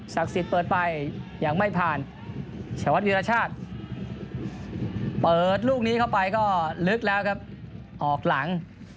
สิทธิ์เปิดไปยังไม่ผ่านชวัดวิรชาติเปิดลูกนี้เข้าไปก็ลึกแล้วครับออกหลัง